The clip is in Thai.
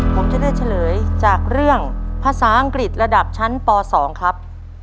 ผมจะได้เฉลยจากเรื่องภาษาอังกฤษระดับชั้นป๒ครับ